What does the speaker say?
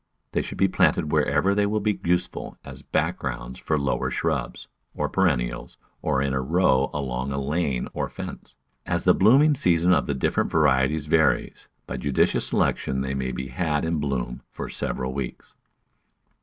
They should be planted wherever they will be useful as backgrounds for lower shrubs, or perennials, or in a row along a lane or fence. As the blooming season of the different varieties varies, by judicious selection they may be had in bloom for several weeks.